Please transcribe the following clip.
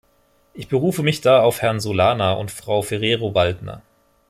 Ich berufe mich da auch auf Herrn Solana und Frau Ferrero-Waldner.